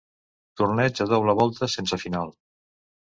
Torneig a doble volta, sense final.